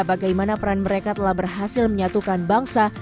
bagaimana peran mereka telah berhasil menyatukan bangsa